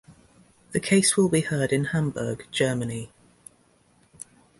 The case will be heard in Hamburg, Germany.